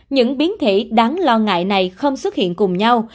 những biến thể đáng lo ngại này không xuất hiện cùng nhau